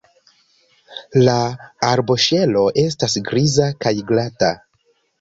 La arboŝelo estas griza kaj glata.